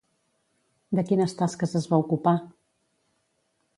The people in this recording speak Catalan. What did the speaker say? De quines tasques es va ocupar?